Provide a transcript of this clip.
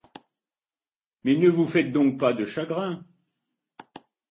Mais ne vous faites donc pas de chagrin!